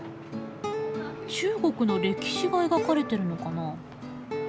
中国の歴史が描かれてるのかな？